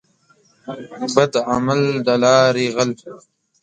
بد عمل دلاري غل.